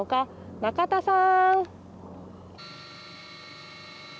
中田さん。